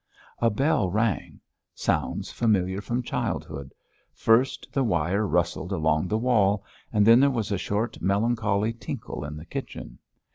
A bell rang; sounds familiar from childhood; first the wire rustled along the wall, and then there was a short, melancholy tinkle in the kitchen.